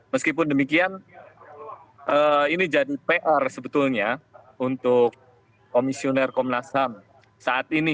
meskipun demikian ini jadi pr sebetulnya untuk komisioner komnas ham saat ini